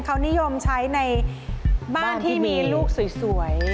เขานิยมใช้ในบ้านที่มีลูกสวย